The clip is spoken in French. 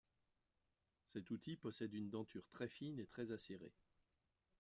Cet outil possède une denture très fine et très acérée.